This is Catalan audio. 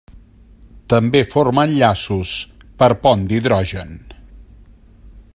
També forma enllaços per pont d'hidrogen.